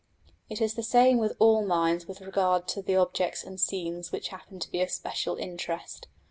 It is the same with all minds with regard to the objects and scenes which happen to be of special interest.